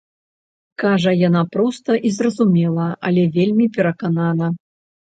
Кажа яна проста і зразумела, але вельмі пераканана.